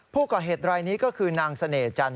ผู้ก่อเหตุรายนี้ก็คือนางเสน่หจันท